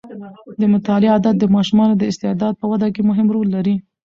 د مطالعې عادت د ماشومانو د استعداد په وده کې مهم رول لري.